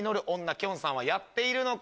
きょんさんはやっているのか？